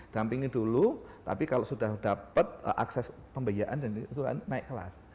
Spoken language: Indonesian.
dampingi dulu tapi kalau sudah dapat akses pembiayaan dan itu naik kelas